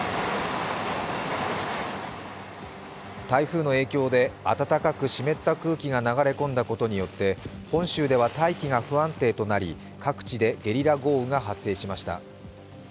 台風の影響であたたかく湿った空気が流れ込んだことによって本州では大気が不安定となり、各地でゲリラ豪雨が発生しました。